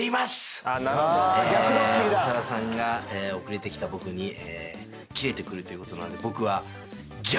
長田さんが遅れてきた僕にキレてくるということなんで。